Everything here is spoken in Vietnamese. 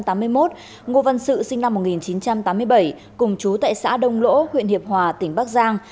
trú tại thôn hoàng dương sinh năm một nghìn chín trăm tám mươi bảy cùng trú tại xã đông lỗ huyện hiệp hòa tỉnh bắc giang